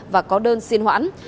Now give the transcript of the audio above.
và có đơn xin hoãn